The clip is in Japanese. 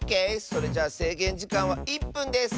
それじゃあせいげんじかんは１ぷんです！